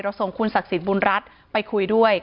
รสงค์คุณศักโศชน์สิบุญรัฐไปคุยด้วย